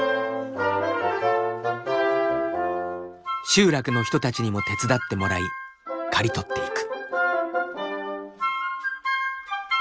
集落の人たちにも手伝ってもらい刈り取っていく。